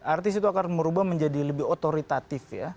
artis itu akan merubah menjadi lebih otoritatif ya